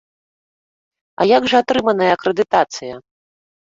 А як жа атрыманая акрэдытацыя?